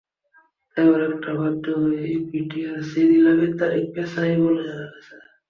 তাই অনেকটা বাধ্য হয়েই বিটিআরসি নিলামের তারিখ পেছায় বলে জানা গেছে।